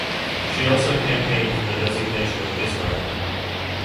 She also campaigned for the designation of Israel.